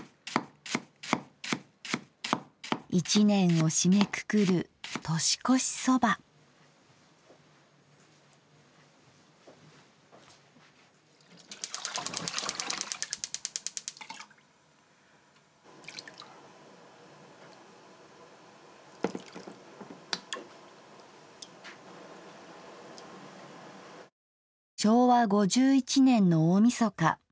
一年を締めくくる昭和５１年の大みそか。